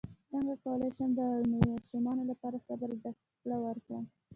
څنګه کولی شم د ماشومانو لپاره د صبر زدکړه ورکړم